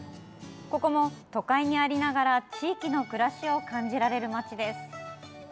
ここも都会にありながら地域の暮らしを感じられる街です。